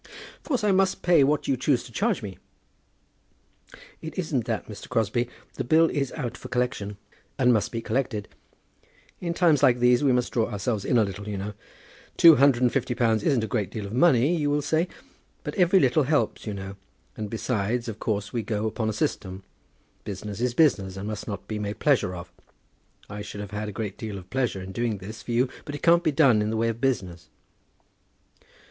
"Of course I must pay what you choose to charge me." "It isn't that, Mr. Crosbie. The bill is out for collection, and must be collected. In times like these we must draw ourselves in a little, you know. Two hundred and fifty pounds isn't a great deal of money, you will say; but every little helps, you know; and, besides, of course we go upon a system. Business is business, and must not be made pleasure of. I should have had a great deal of pleasure in doing this for you, but it can't be done in the way of business."